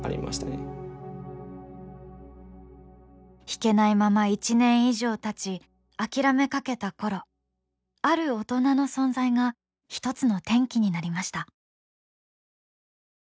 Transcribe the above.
弾けないまま１年以上たち諦めかけたころある大人の存在が１つの転機になりました。